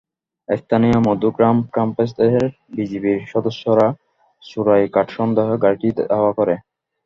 স্থানীয় মধুগ্রাম ক্যাম্পের বিজিবির সদস্যরা চোরাই কাঠ সন্দেহে গাড়িটি ধাওয়া করে।